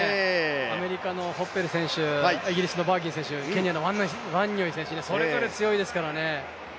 アメリカのホッペル選手、イギリスのバーギン選手、ケニアのワニョンイ選手、それぞれ強いですからね。